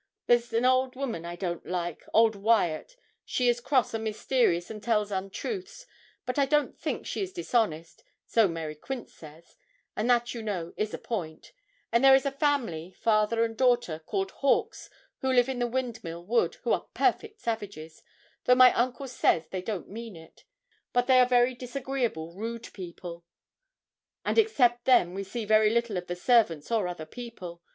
There's an old women we don't like, old Wyat, she is cross and mysterious and tells untruths; but I don't think she is dishonest so Mary Quince says and that, you know, is a point; and there is a family, father and daughter, called Hawkes, who live in the Windmill Wood, who are perfect savages, though my uncle says they don't mean it; but they are very disagreeable, rude people; and except them we see very little of the servants or other people.